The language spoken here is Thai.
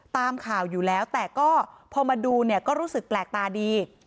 แต่ก็พอมาดูก็รู้สึกแปลกตาดี